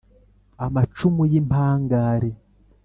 Amacumu y’impangare